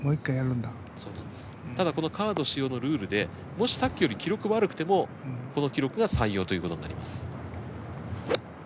ただこのカード使用のルールでもしさっきより記録悪くてもこの記録が採用ということになります。